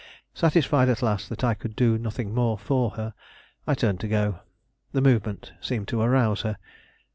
Satisfied at last that I could do nothing more for her, I turned to go. The movement seemed to arouse her.